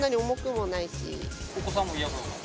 お子さんも嫌がらない？